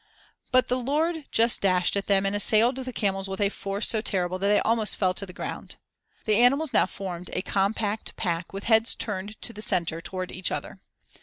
But the "lord" just dashed at them and assailed the camels with a force so terrible that they almost fell to the ground. The animals now formed a compact pack with heads turned to the center towards each other.